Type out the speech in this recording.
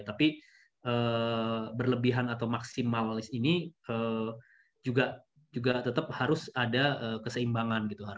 tapi berlebihan atau maksimalis ini juga tetap harus ada keseimbangan